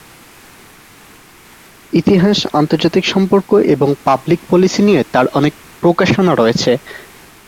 ইতিহাস, আন্তর্জাতিক সম্পর্ক এবং পাবলিক পলিসি নিয়ে তার অনেক প্রকাশনা রয়েছে।